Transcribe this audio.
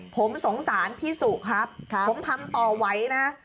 ผมสงสารพี่สุครับผมทำต่อไหวนะ